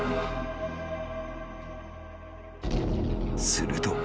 ［すると］